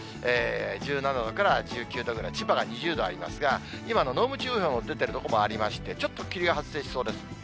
１７度から１９度ぐらい、千葉が２０度ありますが、今、濃霧注意報が出てる所もありまして、ちょっと霧が発生しそうです。